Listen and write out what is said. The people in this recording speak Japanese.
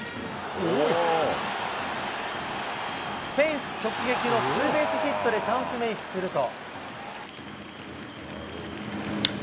フェンス直撃のツーベースヒットでチャンスメークすると。